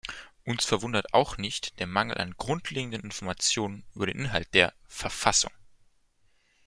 Uns verwundert auch nicht der Mangel an grundlegenden Informationen über den Inhalt der "Verfassung".